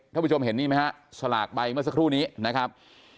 ท่านผู้ชมเห็นนี่ไหมฮะสลากใบเมื่อสักครู่นี้นะครับ